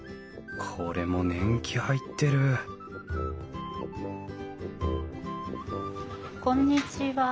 これも年季入ってるこんにちは。